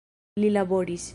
Li laboris.